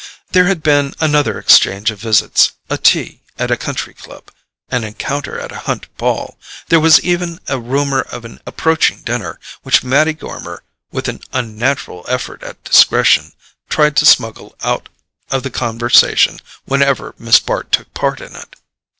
There had been another exchange of visits, a tea at a country club, an encounter at a hunt ball; there was even a rumour of an approaching dinner, which Mattie Gormer, with an unnatural effort at discretion, tried to smuggle out of the conversation whenever Miss Bart took part in it.